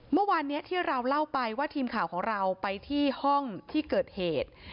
เมื่อวานนี้ที่เราเล่าไปว่าทีมข่าวของเราไปที่ห้องที่เกิดเหตุ